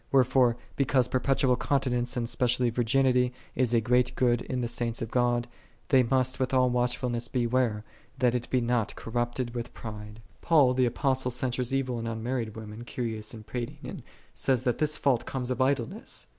* Wherefore, because perpetual Continence and specially virginity, is a great good in the Saints of God, they must with all watchful ness beware, that it be not corrupted with pride. 34. Paul the Apostle censures evil un married women, curious and prating, and says that this fault comes of idleness.